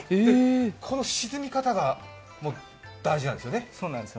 この沈み方がもう大事なんですよね？